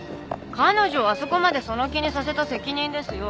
彼女をあそこまでその気にさせた責任ですよ。